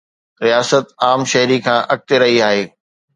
رياست عام شهري کان اڳتي رهي آهي.